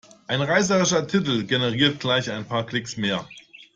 Ein reißerischer Titel generiert gleich ein paar Klicks mehr.